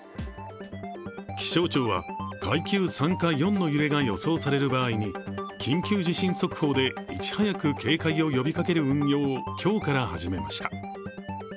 気象庁は階級３か４の揺れが予想される場合に緊急地震速報でいち早く警戒を呼びかける運用を今日から始めました。